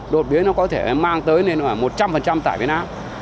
đột biến nó có thể mang tới đến một trăm linh tải biến áp